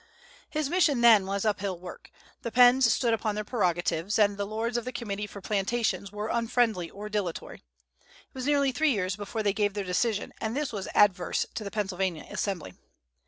His mission, then, was up hill work. The Penns stood upon their prerogatives, and the Lords of the Committee for Plantations were unfriendly or dilatory. It was nearly three years before they gave their decision, and this was adverse to the Pennsylvania Assembly.